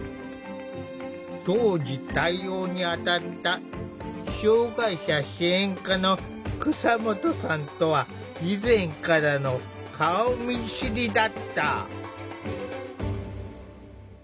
当時対応に当たった障害者支援課の蒼下さんとは以前からの顔見知りだった。